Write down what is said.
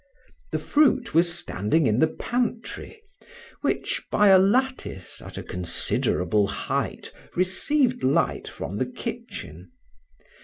The fruit was standing in the pantry, which by a lattice at a considerable height received light from the kitchen.